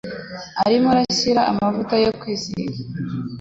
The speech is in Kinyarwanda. Arimo gushira amavuta yo kwisiga.